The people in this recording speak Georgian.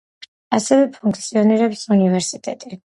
ასევე ფუნქციონირებს უნივერსიტეტი.